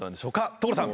所さん！